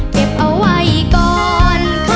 เก็บเอาไว้ก่อนคำว่าลาก่อนเสื่อมไว้สาก่อนอย่ารวนอย่าเปล่า